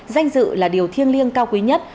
danh dự là điều thiêng liêng cao quý nhất